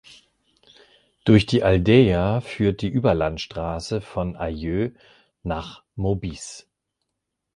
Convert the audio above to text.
Durch die Aldeia führt die Überlandstraße von Aileu nach Maubisse.